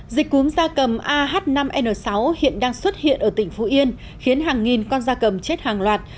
dịch cúm da cầm ah năm n sáu hiện đang xuất hiện ở tỉnh phú yên khiến hàng nghìn con da cầm chết hàng loạt